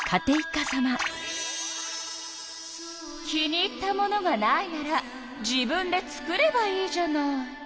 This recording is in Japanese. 気に入ったものがないなら自分で作ればいいじゃない。